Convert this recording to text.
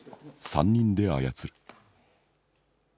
三人で操る。